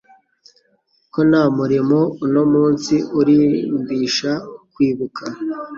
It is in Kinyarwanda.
ko nta murimo uno munsi urimbisha kwibuka